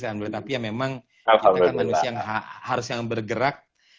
tapi ya memang kita kan manusia yang harus yang bergerak